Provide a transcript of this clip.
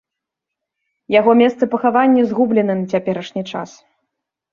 Яго месца пахавання згублена на цяперашні час.